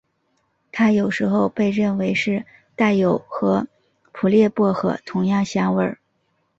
它有时候被认为是带有和普列薄荷同样香味。